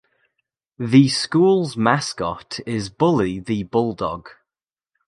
The school's mascot is Bully the Bulldog.